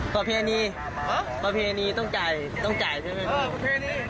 ประเพณีต้องจ่ายใช่ไหมครับ